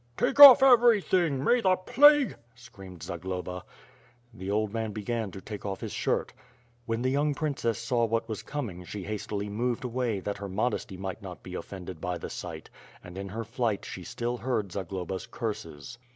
"Take off everything; may the plague —'^ screamed Za globa. The old man began to take off his shirt. When the young princess saw what was coming, she hastily moved away that her modesty might not be offended by the sight, and in her flight she still heard Zagloba's curses.